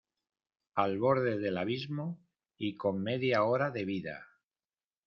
al borde del abismo y con media hora de vida